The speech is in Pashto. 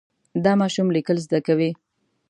دا ماشوم لیکل زده کوي.